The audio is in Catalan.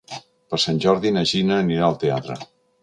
Per Sant Jordi na Gina anirà al teatre.